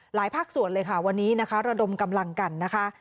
หลายภาคส่วนเลยวันนี้ระดมกำลังกันนะคะ